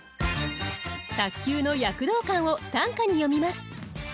卓球の躍動感を短歌に詠みます。